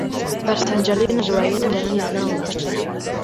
Per Sant Jordi na Zoè i en Jan aniran a Olost.